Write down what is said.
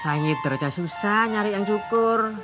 saya terlalu susah nyari yang cukur